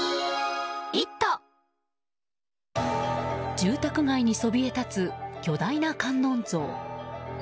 住宅街にそびえ立つ巨大な観音像。